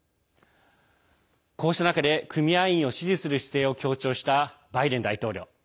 こうした中で組合員を支持する姿勢を強調したバイデン大統領。